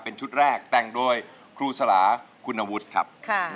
เป็นชุดแรกแต่งโดยครูสลาคุณวุฒิครับ